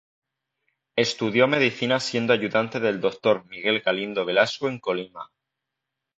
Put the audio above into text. Estudió medicina siendo ayudante del doctor Miguel Galindo Velasco en Colima.